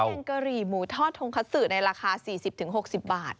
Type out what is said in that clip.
แกงกะหรี่หมูทอดทงคัสสือในราคา๔๐๖๐บาท